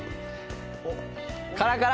カラカラ。